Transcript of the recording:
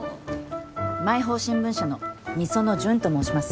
毎報新聞社の御園純と申します。